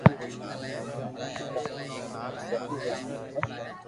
مارو پيتا امو ري پوري ڪرتو آويو ھي